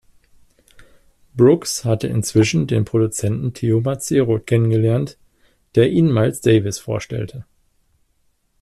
Brooks hatte inzwischen den Produzenten Teo Macero kennengelernt, der ihn Miles Davis vorstellte.